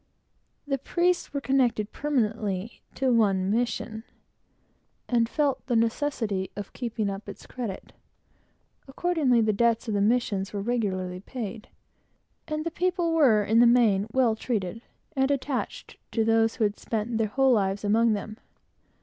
The priests were attached perpetually to one mission, and felt the necessity of keeping up its credit. Accordingly, their debts were regularly paid, and the people were, in the main, well treated, and attached to those who had spent their whole lives among them.